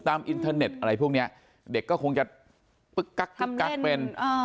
ตามอินเทอร์เน็ตอะไรพวกนี้เด็กก็คงจะปึ๊กกั๊กเป็น